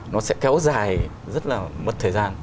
nó sẽ kéo dài rất là mất thời gian